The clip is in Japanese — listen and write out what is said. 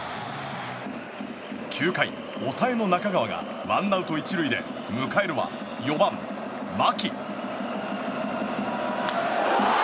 ９回、抑えの中川がワンアウト１塁で迎えるは４番、牧。